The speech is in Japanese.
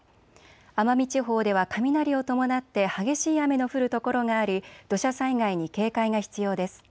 奄美地方では雷を伴って激しい雨の降る所があり土砂災害に警戒が必要です。